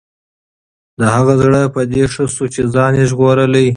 د هغه زړه په دې ښه شو چې ځان یې ژغورلی.